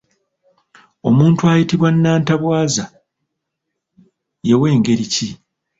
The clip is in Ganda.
Omuntu ayitibwa “Nnantabwaza” ye w'engeri ki?